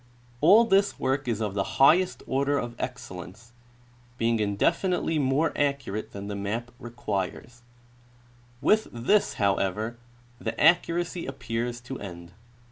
All this work is of the highest order of excel lence, being infinitely more accurate than the map requires. The Staff Map of France. 251 With this, however, the accuracy appears to end.